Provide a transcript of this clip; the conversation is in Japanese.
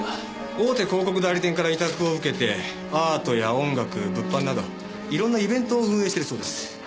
大手広告代理店から委託を受けてアートや音楽物販などいろんなイベントを運営しているそうです。